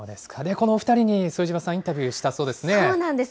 この２人に副島さん、インタビューしたそうですそうなんです。